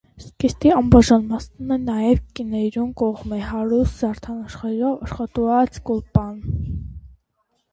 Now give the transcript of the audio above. Զգեստին անբաժան մասն է նաեւ կիներուն կողմէ հարուստ զարդանախշերով աշխատուած գուլպան։